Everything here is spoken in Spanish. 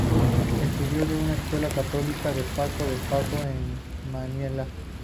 Estudió en una Escuela Católica de "Paco de Paco" en Manila.